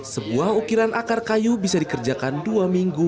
sebuah ukiran akar kayu bisa dikerjakan dua minggu